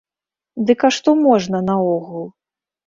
Дык а што можна наогул?